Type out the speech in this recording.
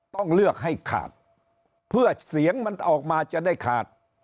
ต้องเลือกให้ขาดเพื่อเสียงมันออกมาจะได้ขาด